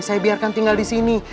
saya biarkan tinggal di sini